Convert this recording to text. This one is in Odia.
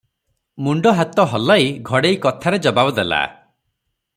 ମୁଣ୍ଡ ହାତ ହଲାଇ ଘଡ଼େଇ କଥାରେ ଜବାବ ଦେଲା ।